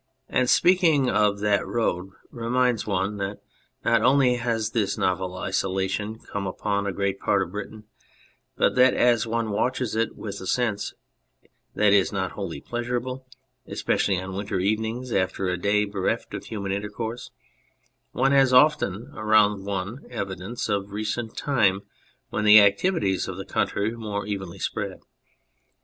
And speaking of that road reminds one that not only has this novel isolation come upon a great part of Britain, but that as one watches it with a sense that is not wholly pleasurable (especially on winter evenings, after a day bereft of human intercourse) one has often around one evidences of a recent time when the activities of the country were more evenly spread.